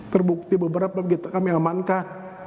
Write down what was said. terbukti beberapa kita mengamankan